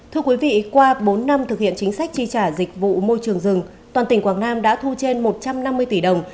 thưa quý vị qua bốn năm thực hiện chính sách tri trả dịch vụ môi trường rừng toàn tỉnh quảng nam đã thu trên một trăm năm mươi tỷ đồng